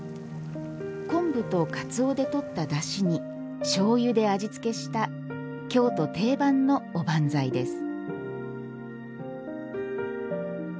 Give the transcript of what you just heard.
昆布とかつおでとっただしにしょうゆで味付けした京都定番のおばんざいです。